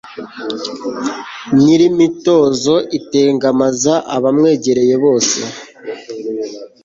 nyirimitozo itengamaza abamwegereye bose